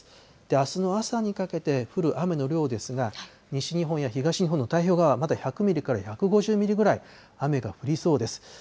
あすの朝にかけて降る雨の量ですが、西日本や東日本の太平洋側、まだ１００ミリから１５０ミリぐらい雨が降りそうです。